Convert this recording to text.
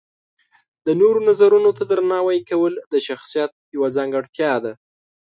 د نورو نظرونو ته درناوی کول د شخصیت یوه ځانګړتیا ده.